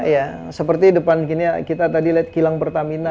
ya seperti depan kimia kita tadi lihat kilang pertamina